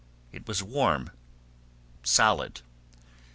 It was warm, solid.